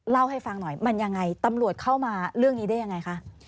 เล่าให้ฟังหน่อยมันยังไงตำรวจเข้ามาเรื่องนี้ได้ยังไงคะ